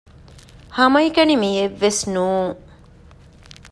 ހަމައެކަނި މިއެއްވެސް ނޫން